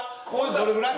どれぐらい？